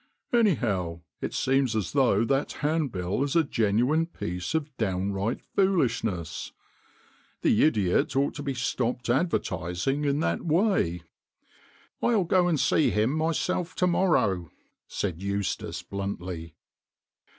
Anyhow, it seems as though that handbill is a genuine piece of downright foolishness. The idiot ought to be stopped advertising in that way." THE COFFIN MERCHANT 173 "I'll go and see him myself to morrow," said Eustace bluntly.